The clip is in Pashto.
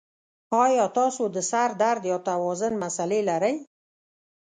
ایا تاسو د سر درد یا توازن مسلې لرئ؟